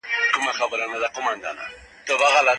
د نظرونو تنوع ته درناوی وکړئ.